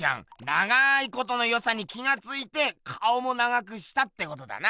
長いことのよさに気がついて顔も長くしたってことだな。